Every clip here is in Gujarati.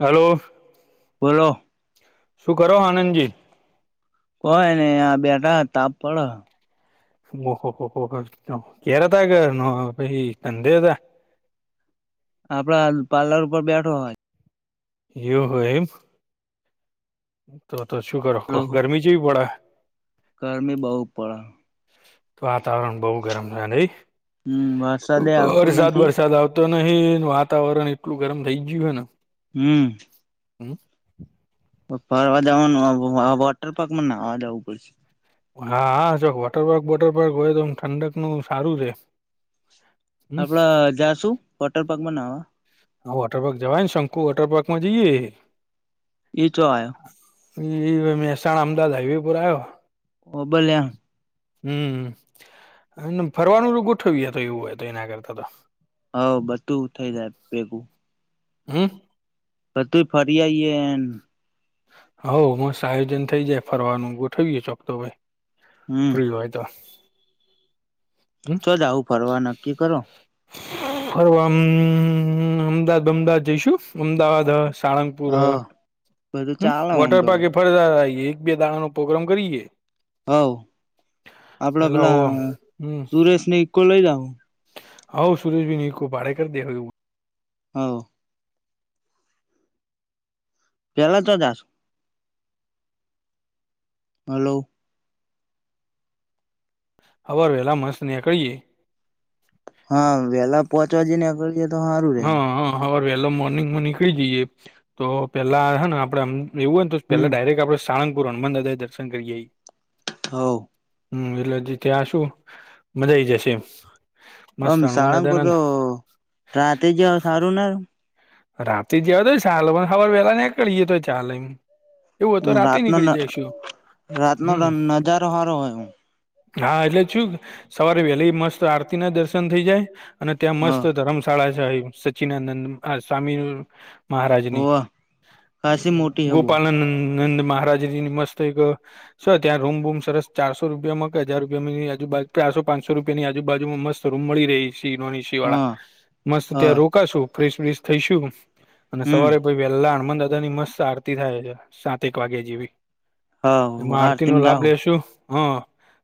હલો બોલો શું કરો આનંદજી કોય ને બેઠા તાપ પડો ઓહ હો હો કે હતા ઘ ભાઈ કંધે ત આપડ પાર્લર ઉપર બેઠો હોય યુ હોયમ તો તો શું કરો ગરમી જેવી પડે ઘરમે બહુ પડા તો વાતાવરણ બહુ ગરમ થ નહી હમ વરસાદે આવતો વરસાદ નથી વરસાદ આવતો તો નહી વાતાવરણ એટલું ગરમ થઈ ગયું હો ને હમ હમ ફરવા જવાનું વોટર પાર્ક માં ના અવા જવું પડશે હા હા ચોક વોટર પાર્ક વોટર પાર્ક હોય તોમ ઠંડકનું સારું છે આપડ જાશું વોટર પાર્ક બનાવા હા વોટર પારક જવાય ને શંકુ વોટર પાર્કમાં જઈએ એ ચો આ એવે મહેસાણા અમાદાવેપુર આવ્યો ઓ ભલ્યા હમ્મ ફરવાનું ગોઠવીએ તો એવું હોય તો એના કરતા તો હ બધું થઈ જાય ભેગું હમ્મ તો તું ફરીયાઈે એન હ મસ્ત આયોજન થઈ જાય ફરવાનું ગોઠઈ ગય ચોક તો ભાઈ હમ ફ્રી હોય તો હમ્મ ચો જાવું ફરવા નક્કી કરો રમ અમદાવાદ અમદાવાદ જઈશું અમદાવાદ સાણંદપુર હ બધું ચાલે આમ વોટર તો પાર્ક એ ફરે એક બે દાણા નો પોગ્રમ કરી હવ આપડાે હો પેલા સુરેશ ને ઈકો લઈ જું હો સરજ ભી નીર કો ભાડે કર દે હા પેલા ચો દશ હલો અવાર વેહેલા મસ્ત નીકળીએે. હા વેલા પોહોચવા જઈ ને આગળ જએ તો સારું રેમ. હાવે વેલો મોર્નિંગ માં નીકળી જઈએ તો પેલા હે ને આપડેમ એવું હોયન પેલા હમ ડાયરેક આપે સાણંગપુર હનુમાન દાદાએ દર્શન કરીઆઈ. હવ. હમ્મ એટલે હજી ત્યાં શું મજાઈ જશે એમ. મસ્ત આમ હનુમાન દાદા સાળંગપુર ના તો રાતે જ સારું નારે? રાતે જ્યારે ચાલો પણ ખબર વેલા નીકળીએ તો ચાલમ. એવું હતો રાતે રાતનો નીકળી જઈશું. રાતનો હમ્મ. નજારો સારો હોય હા એટલે છું સવારે વહેલી મસ્ત આરતી ના દર્શન થઇ જાય અને ત્યાં મસ્ત હ ધર્મશાળા છે સચ્ચિનાનંદ સ્વામી મહારાજની હોવ ખાસી મોટી હે બહુ ગોપાલ નંદ મહારાજજીની મસ્ત એક શ ત્યાં રૂમ રૂમ સરસ ચારસો રૂપિયામાં હજાર રૂિયા ની આજુબજુ ચારસો પાંસો રૂપિયાનીજુબજુમાં મસ્ત રૂમ મળી રહી છે એસી નોન એસ વાળા, હા મસ્ત હા ત્યાં રોકાશુ ફ્રશ બેસ થઈશું અને હમ સવારે પ વહેલા હનુમાન દાદા ની મસ્ત આરતી થાય છે સાતક વાગે જેવી. હા એમાં આરતી નો આરતીમ લાભ જાહુ લેેશુ. હા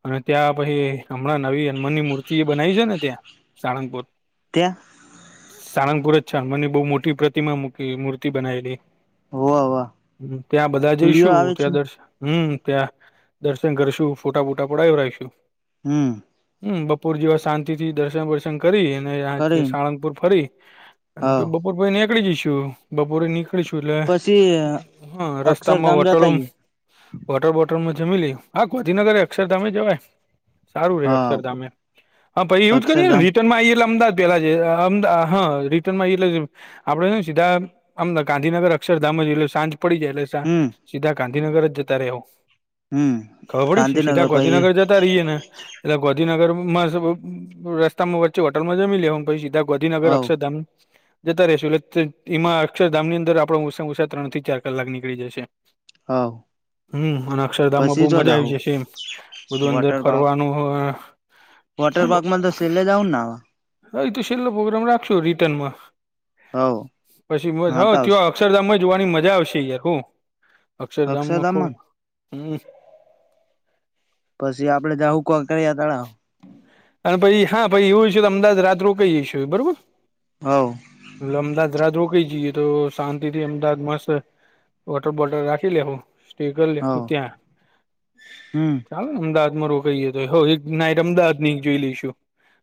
અને ત્યાં પછી હમણાં નવી હનુમાનની મૂર્તિ બનાવી છે ને ત્યાં સાણંદપુર. ત્યાં સાણંગપુર જ છ મને બહુ મોટી પ્રતિમા મૂકી મૂર્તિ બનાયલી. હોવ હોવ હમ્મ, ત્યાં બધા વિડીયો જઈશું આવે છે ત્યાં દર્શે હમ્મ, ત્યાં દર્શન કરશું, ફોટા ફૂટા પડાવી રાખીશું. હમ્મ. હમ્મ બપોર જેવા શાંતિ થી દર્શન વર્શન કરી કરી અને સાળંગપુર ફરી અને હા પહી બપોર પહિ નીકળીજઈશું બપોરે નિક કરીશું એટલે પછી હા રસ્તામાં અક્ષરધામ વટો રૂમ જતાઈએ વોટર બોટલમાં જમી લયું, હા ગાંધીનગર અક્ષરધામે જવાય. સારું રે હા અક્ષરધામે હા ભાઈ યુંજ કરીએ ને અક્ષરધામ રિટર્ન માં આએ એટલે અમદાદ પેલા છેમ હા રિટર્ન માં એટલે આપડેને સીધા આમ ગાંધીનગર અક્ષરધામ જ એટલે સાંજ પડી જાય એટલે સા હમ સીધા ગાંધીનગર જ જતા રેહુ. હમ ખબર પડી? શ સીધા ગાંધીનગર જતા રહીએ ને એટલે ગોંધીનગરમાં રસ્તામાં વચ્ચે હોટલમાં જમી લેહુ પછી ત્યાં ગોંધીનગર હવ અક્ષરધામ જતા રેશું એટલે એમાં અક્ષરધામની અંદર આપડો ઓછા ઉસાા ત્રણ થી ચાર કલાક નીકળી જશે. હા. હમ્મ અને અક્ષરધામ માં બહુ મજા આવી જશે એમ બધું અંદર વોટર પાર્ક ફરવાનું વોટર પાર્કમાં તો સેલે જાઉન ના? હા એ તો છેલ્લો પ્રગ્રામ રાખશો રિટર્નમાં. હવ પછી બસ નાતા ત્યાં આવશું અક્ષરધામમાં જોવાની મજા આવશે યાર હું અક્ષરધામમાં ખુબ, હમ્મ. પછી આપડે જ્યાં હુક કર્યા તળાવ. અને પછી હા ભાઈ એવુ છે તો અમદાદ રાત રોકઈ જઈ બરોબર? હવ. એટલે અમદાવાદ રાત રોકીઈ જઈએ તો શાંતિ થી અમદાવાદ મસ્ત વોટર બોટલ રાખી લેવું. કર લખું હવ ત્યાં હમ ચાલ અમદાવાદમાં રોકાઈ તો હ એક ના અમદાવાદ ની જોઈ લઈશું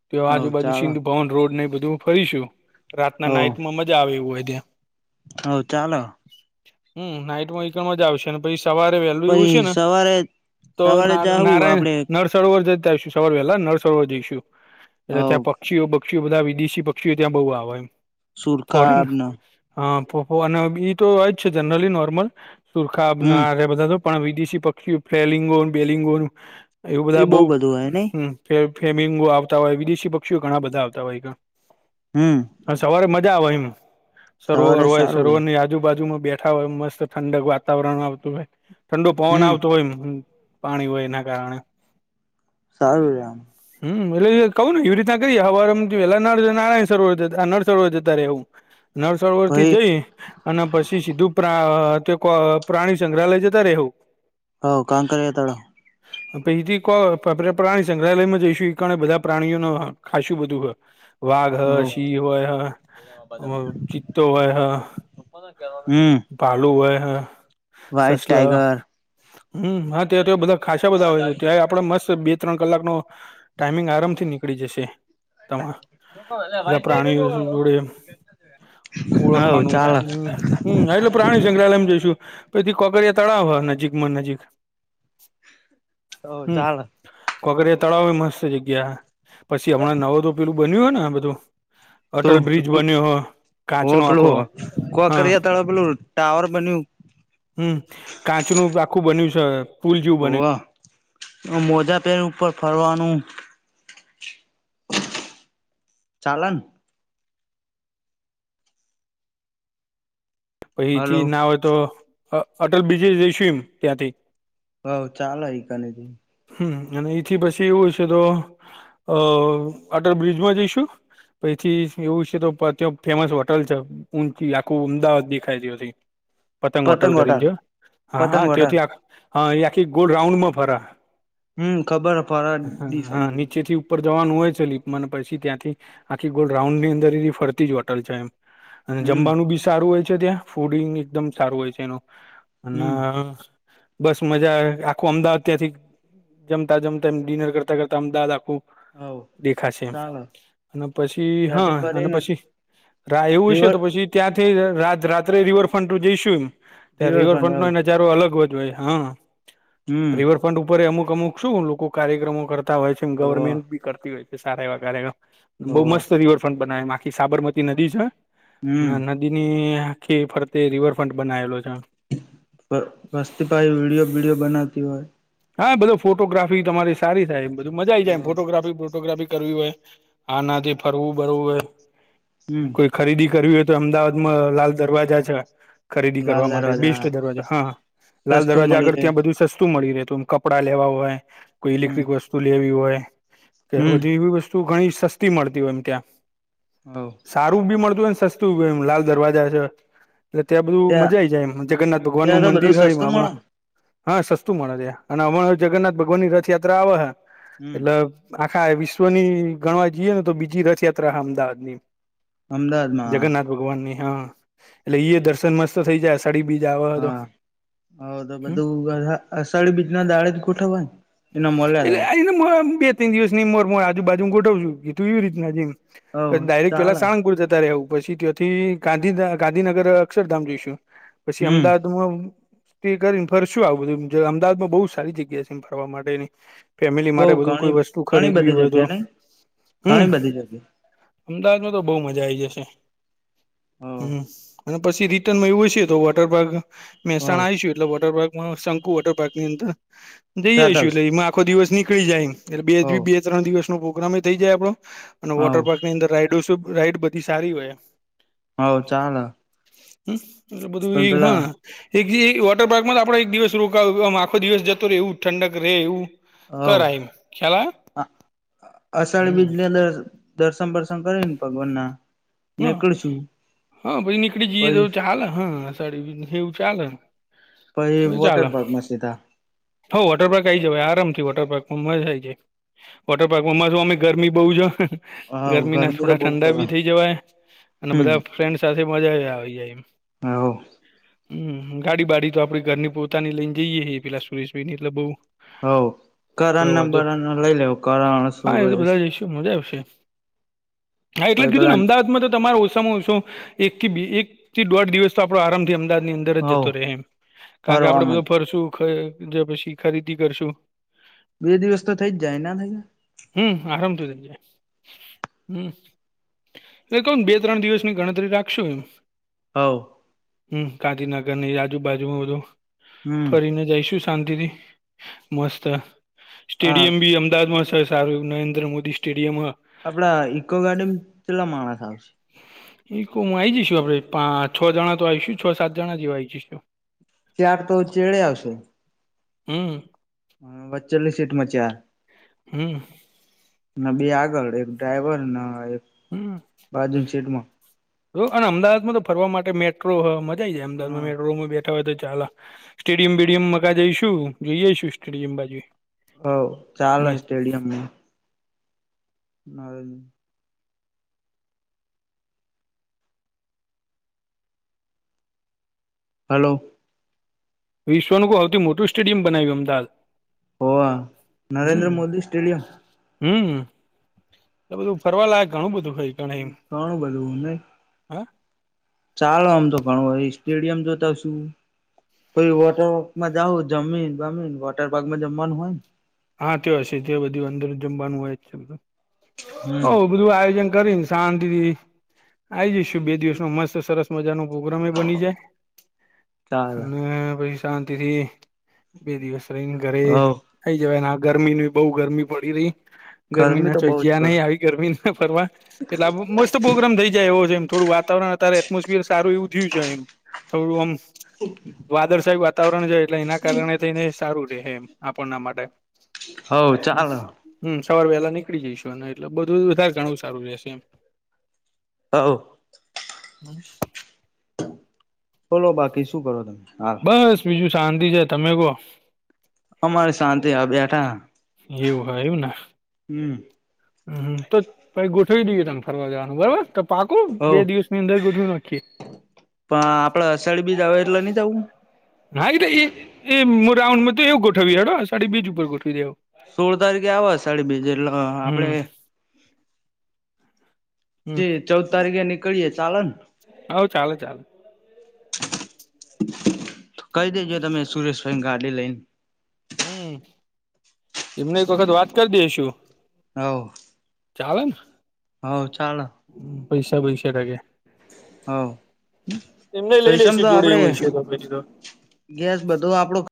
તો હવ આજુબાજુ ચાલો સિંધુ ભવન રોડ ને બધું હું ફરીશું. રાતના હવ નાઈટમાં મજા આવી હોય ત્યાં. હવ ચાલો. હમ્મ નાઈટમાં એકઈણ મજા આવશે ને ભાઈ સવારે વહેલું એવું પછી છે ને સવારે તો સવારે ના જાહુ નારાયણ આપડે નર સરોવર જતા આવીશું સવાર વહેલા નળસરોવર જઈશું એટલે હવ ત્યાં પક્ષીઓ પક્ષી બધા વિદેશી પક્ષીઓ ત્યાં બહ આવે ફરે સુરખાબને હા પોપ્પો અને ઈ તો હોય જ છે, જનરલી નોર્મલ સુરખા હમ ના બધા તો પણ વિદેશી પક્ષીઓ ફલિંગોન બેલિંગોન એવું એ બધા બઉ બહુ બધું હોય નઈ હ ફેમેંગો આવતા હોય વિદેશી પક્ષીઓ ઘણા બધા આવતા હોય છે. હમ. હા સવારે મજા આવે એમ સરોવર સવારે હોય સારું રે સરોવર ની યાદ આજુબાજુમાં બેઠા હોય એ મસ્ત ઠંડક વાતાવરણ આવતું હોય ઠંડો પવન હમ આવતો હોય એ પાણી હોય એના કારણે સારું છેઆમ. હમ એટલે એ કવું ને એવી રીના કઈએ હવારમ નારાયણ સરોવર ના નળસવર જતા રહેવું નળસરોવર થી પહી જઈ અને પછી સીધું તે પ્રા અ તે કો અ પ્રાણીસંગ્રહાલય જતા રહેવું હો કાંકરિયા તળાવ અ એયથી પ્રાણી સંગ્રહાલયમાં જઈશું એ કારણે બધા પ્રાણીઓને ખાસું બધું હોય વાઘ હૈ હવ સીં હોય હ ચિત્તો હોય હ હમ. ભાલુ હોય હૈ. વ્હાઈટ સસલા ટાઈગર હમ હા ત તો બધા ખાસા બધા હોય છે, ત્યાં આપડે મસ્ત બે ત્રણ કલાકનો ટાઈમિંગ આરામથી નીકળી જશે. તમા બધા પ્રાણીઓ જોડે હવ ઓળખવાનું ચાલે હ હમ એટલે પ્રાણી સંગ્રહાલયમ જોઈશું પછી કોકરિયા તળાવ હ નજીકમાં નજીક હવ હમ ચાલે કોકરિયા તળાવ મસ્ત જગ્યા. પછી હમણાં નવું તો પેલું બન્યું હોય ને આ બધું અટલ શું બ્રિજ બન્યો હ કાચ નો આખો હા તળ બ્લો ટાવર બન્યું હમ કાચ નું આખું બન્યું છે, પુલ જેવું હોવ બન્યું મોજા પેન ઉપર ફરવાનું ચાલન હલો પહીથી ના હોય તો અટલ બ્રિજે જયસું મ ત્યાંથી. હ ચાલે હ કનેથી. હમ અને એથી પછી એવું હોય છે, તો અ અટલ બ્રિજમાં જઈશું પછી એવું છે, તો ત્યા ફેમસ હોટલ છે, આખું અમદાવાદ ખાય ત્યાંથી પતંગ હોટલ કરીને છે હા પતંગ હા વટાર તેયોથી આખા હા એ આખી ગોડ રાઉન્ડમાં ફરા હમ ખબર હ ફરા હા હા સમજ નીચેથી ઉપર જવાનું હોય છે, લીપ મને પછી ત્યાંથી આખી ગોલ રાઉન્ડ ની અંદર ફરતી જ હોટલ છે, એમ અને હમ જમવાનું બી સારું હોય છે, ત્યાં ફૂડિંગ એકદમ સારું હોય છે, એનું અને હમ બસ મજા આખું અમદાવાદ ત્યાંથી જમતા જમતા એમ ડિનર કરતા કરતા અમદાવાદ આખું હૌ દેખાશે એમ ચાલે. અને પછી ત્યાંથી હા અને ફરીને પછી રા એવું છે, રિવર તો પછી ત્યાંથી રા રાત્રે રિવરફ્રન્ટ જઈશું એમ ત્યાં રિવરફ્રન્ટ ન જારો અલગ જ હોય હા હમ રિવરફ્રન્ટ ઉપર અમુક અમુક શું લોકો કાર્યક્રમો કર તા હોય છે હોવ ગવર્મેન્ટ બી કરતી હોય છે સારા એવા કાર્યક્રમ બહુ હોવ મસ્ત રિવરફ્રન્ટ બનાય આમ આખી સાબરમતી નદી છે હમ અને નદીની આખી ફરતે રિવરફ્રન્ટ બનાવેલો છે. વસ્તીપાઈ વિડીયો બીડીયો બનાવતી હોય. હા બધો ફોટોગ્રાફી તમારી સારી થાય બધુ મજા આઈ જાય એમ હવ ફોટોગ્રાફી ફોટોગ્રાફી કરવી હોય આનાથી ફરવું બરવું હોય હમ કોઈ ખરીદી કરવી હોય તો અમદાવાદમાં લાલ દરવાજા છે. ખરીદી લાલ કરવા માટે દરવાજા બેસ્ટ દરવાજા હા લાલ સસ્તું દરવાજા મળી આગળ રહે ત્યાં બધું સસ્તું મળી રહેતું કપડા લેવા હોય કોઈ હમ ઇલેક્ટ્રિક વસ્તુ લેવી હોય કે હમ બધી એવી વસ્તુ શું ઘણી સસ્તી મળતી હોય એમ ત્યાં હવ સારું બી મળતું હોયને સસ્તું એમ લાલ દરવાજા છે. એટલે ત્યાં બધું મજા આવી જાય એમ જગન્નાથ ભગવાનનું ત્યાં તો મંદિર બધું હોય એમ સસ્તું મળે હમણાં હા સસ્તું મળે ત્યાં અને હમણાં જગન્નાથ ભગવાનની રથયાત્રા આવે હે હમ એટલે આખા વિશ્વની ગણવા જઈએ ને તો બીજી રથયાત્રા અમદાવાદની અમદાવાદમાં ભગવાનની હા એટલે ઈ એ દર્શન મસ્ત થઈ જશે ચડી બી જાવા હા હ તો બધું અસાળી બીજ ના દાળે જ ગોઠાવાય એટલે આને બે ત્રણ દિવસની મોર મોર આજુ બાજુું ગોઠવ છું ગીધું એવી રીતના જેમ હ ડાયરેક્ટ પેલા ચાલે સાણંગપુર જતા રહેવું પછી થી ગાંધી ગાંધીનગર અક્ષરધામ જોઈશું પછી હમ અમદાવાદ એ કરીને ફરશું આવું બધું અમદાવાદમાં બોવ સારી જગ્યા છે, એ ફરવા માટે ફેમિલી બઉ માટે બધું ઘણી કોઈ વસ્તુ ઘણી ખરીદવી બધી હોય તો જગ્યા નઈ હમ ઘણી બધી અમદાવાદમાં તો બોવ મજા આવી જશે જગ્યા હમ અને પછી રિટર્નમાં એવું હશે તો વોટર પાર્ક હ હ મહેસાણા આવીશું એટલે વોટર પાર્કમાં શંકુ વોટર પાર્કની અંદર જઈ સાત જઈશું આવશે એટલે એમાં આખો દિવસ નીકળી જાય એટલે હો બે બે ત્રણ દિવસનો પ્રોગ્રામ થઈ જાય આપડો અને વોટર હવ પાર્કની અંદર રાઈડ શું રાઈડ બધી સારી હોય એમ હવ ચાલ હ એટલે બધું એ હ એક વોટર પાર્કમાં આપડો એક દિવસ રોકાવ આખો દિવસ જ તો રેવું ઠંડક રે એવું હવ કરાય એમ ખ્યાલ આયો અષાઢ હમ બીજની અંદર દર્શન બર્શન કરે ને ભગવાનના હા હા પછી નીકળી જઈએ તો પહી ચાલે હા સોરી એવું ચાલેને પહી વોટર પાર્કમાં સીધા હ વોટર પાર્ક આવી જવાય આરામથી વોટર પારકમાં મજા આવી જાય વોટર પાર્કમાં પાશુ અમે ગરમી બોવ જો હવ ગરમી ના તો થોડા બહુ ઠંડા પડે બી થઈ જવાય અને હમ બધા ફ્રેન્ડ સાથે મજા જ આવી જાય એમ હ એવું હમ ગાડી બાડી તો આપડી ઘરની પોતાની લઈને જઈએે પેલા સુરેશભાઈ ને એટલે બોવ હો કરણના બર લઈ લેવું કરણ હા એ તો સુરેશ બધા જઈશું મજા આવશે હા એટલે પહી કીધું પેલા ને અમદાવાદ તો તમારો ઓછામાં ઓછો એકથી એક થી દોઢ દિવસ તો આપડો આરામથી અમદાવાદની અં દર જ હોવ જતો રહે એમ કારણ કે આપડે બધો ફરવામાં જ ફરશું પછી ખરીદી કરશું બે દિવસ તો થઈ જાય ના થઈ હમ આરામથી થય જાય હમ એકમ બે ત્રણ દિવસની ગણતરી રાખશું એમ હવ હમ ગાંધીનગરની આજુબાજુ બધું હમ ફરીને જઈશું શાંતિથી મસ્ત આ સ્ટેડિયમ ભી અમદાવાદમાં સારું નરેન્દ્ર મોદી સ્ટેડિયમ આપડા ઈકો ગાર્ડન કેટલા માણસ આવશે ઇકોમા આવી જઈશું આપડે પા છ જણા તો આવીશું છ સાત જણા જેવા આવી જઈશું ચ્યાર તો ચેડે આવશે હમ્મ વચેલીસ સીટ મચ્યા હમ્મ ના બે આગળ એક ડ્રાઈવર ન એક હમ્મ બાજુની સીટમાં જો અને અમદાવાદમાં તો ફરવા માટે મેટ્રો હ મ [unintelligible] હા અમદાવામાં મેટોમાં વે તો ચાલ સ્ટેડિયમ બેેડિયમ મકા જઈશું જોઈએશું સ્ટેડિયમ બાજુ હવ ચાલ મેચ. સ્ટેડિયમ નર હલો વિશ્વનું બ સૌથું મોટું સેડિયમ બનાવ્યું અમદાવાદ વા નરેન્દ્ર મોદી સ્ટેડિયમ હમ્મ એટલે બધું ફરવા લાગક ઘણું બધું ખાઈ કોણું બધું નને હા ચાલો આમ તો ઘણું હોય સ્ટેડિયમ જોતા શું કોઈ વોટર પારકમાં જઉ જમીન જમીન વોટર પાર્કમાં જમવાનું હોય. હા તે હશે જે બધું અંદર જમવાનું હોય છે બધું હો હમ બધું આયોજન કરીને શાંતિથી આ આવી જઈશું બે દિવસ ન મસ્ત સરસ મજા નો પ્રગ્રામ બની જાય ચાલે અને પછી શાંતિ થી બે દિવસ રહીને ઘરે હવ થઈ જવાયને આ ગરમીની બહ ગરમી પડી રહી ગરમી ના તો ચો બઉ જ જ્યાં પડે નહી આવી ગરમી ના ફરવા એટલે મસ્ત પ્રોગ્રામ થઈ જાય એવો છે એમ થોડું વાત તાવર એટમોસફિયર સારું એવું થયું છે એમ થોડું આમ એક વાદળછાયી વાતાવરણ છે એટલે એના કારણે થઈને સારું રહેે એમ આપણના માટે. હવ ચાલ હમ્મ સવાર વહેહલા નીકળી જઈશું અને એટલે બધું વધારે ઘણવું સારું રહેશે એમ હવ હમ બોલો બાકી શું કરો તમે બસ બીજું શાંતિ છે તમે કહો અમારે શાંતી આ બેઠા એવું હ એવું ને હમ્મ હ તો પછી ગોઠવી દઈએ તમે ફરવા જવાનું બરોબર તો પાકો હવ બે દિવસ અંદર ગોઠ વી નાખીએ પણ આપડે અસાઢી બીજ આવે એટલે નહી જવું હા એ એ એ રાઉન્ડ માં તો એવું ગોઠવી હડ સાડી બીજ ઉપર ગોઠવી દેવ સોળ તારીખે આવા સાડી બેીજ એટલા હમ આપડે હમ જે ચૌદ તારીખે નીકળીયે ચાલેને હવ ચાલે ચાલે. કહી દેજ તમે સુરેશભાઈ ગાડી લઈને હમ્મ એમને એક વખત વાત કરી દેશું. હવ ચાલ હ ચાલ પૈસા પૈસા લાગે હવ એમને લઈ પૈસામાં લેશું તો જોડે આપડે એવું હય છે તો પછી તો ગેસ બધો આપડો